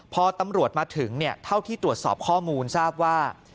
พอตำรวจมาถึงเท่าที่ตรวจสอบข้อมูลทราบว่า